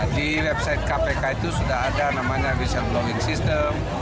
di website kpk itu sudah ada namanya whichle blogging system